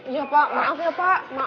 iya pak maaf ya pak maaf banget